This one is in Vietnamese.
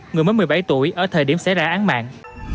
người mới một mươi bảy tuổi ở thời điểm xảy ra án mạng